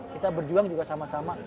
kita berjuang juga sama sama